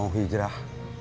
kamu mau hijrah